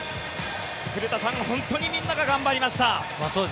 古田さん、本当にみんなが頑張りました。